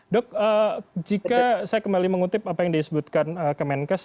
dok jika saya kembali mengutip apa yang disebutkan kemenkes